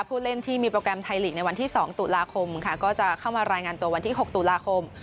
ผู้เล่นที่มีโปรแกรมไทยลีกในวันที่๒ตุลาคมค่ะก็จะเข้ามารายงานตัววันที่๖ตุลาคม